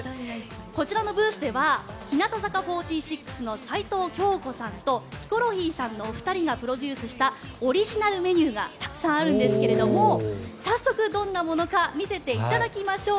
こちらのブースでは日向坂４６の齊藤京子さんとヒコロヒーさんのお二人がプロデュースしたオリジナルメニューがたくさんあるんですが早速どんなものか見せていただきましょう。